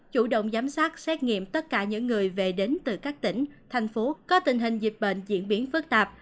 chủ động giám sát xét nghiệm tất cả những người về đến từ các tỉnh thành phố có tình hình dịch bệnh diễn biến phức tạp